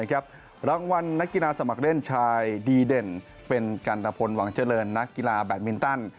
รางวัลนักกีฬาสมัครเล่นชายดีเด่นเป็นกันตะพลหวังเจริญนักกีฬาแบตมินตัน